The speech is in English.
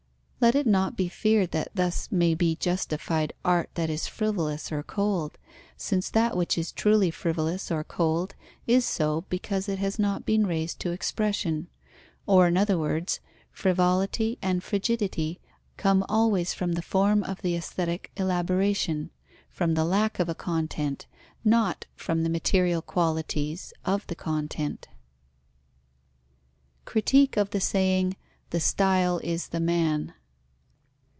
Let it not be feared that thus may be justified art that is frivolous or cold, since that which is truly frivolous or cold is so because it has not been raised to expression; or in other words, frivolity and frigidity come always from the form of the aesthetic elaboration, from the lack of a content, not from the material qualities of the content. _Critique of the saying: the style is the man.